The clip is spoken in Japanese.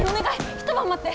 一晩待って！